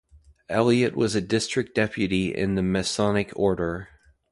Elliott was a District Deputy in the Masonic Order.